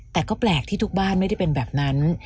แต่ก็แปลกที่ทุกบ้านไม่ได้เป็นแบบนั้น